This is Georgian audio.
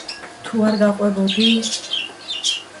თუ არ გაყვებოდი?